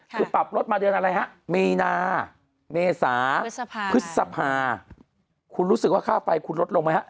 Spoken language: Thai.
ปรับลดมาเดือนอะไรมีนาเมษาภรรษภามีควรรู้สึกว่าข้าัอยลดลงไหม